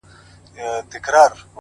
o ما ستا په شربتي سونډو خمار مات کړی دی.